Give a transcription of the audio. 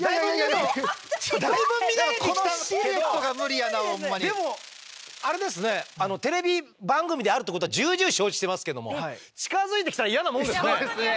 でもあれですねテレビ番組であるってことは重々承知してますけども近づいてきたらイヤなもんですね。